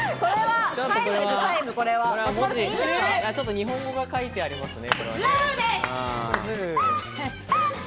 日本語が書いてありますね。